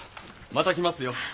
また来ますよ。